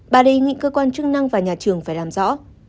bà đề nghị cơ quan chức năng và nhà trường phải làm rõ